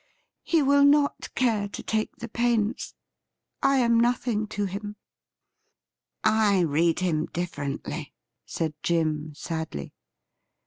' He will not care to take the pains. I am nothing to him.' ' I read him differently,' said Jim sadly.